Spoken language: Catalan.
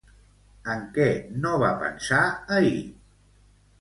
En què no va pensar ahir?